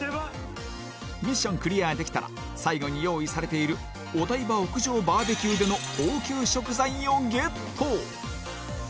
ミッションクリアできたら最後に用意されているお台場屋上バーベキューでの高級食材をゲット！